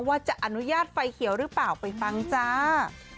ว่าจะอนุญาตไฟเขียวหรือเปล่าไปฟังจ้า